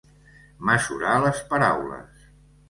Mesurar les paraules.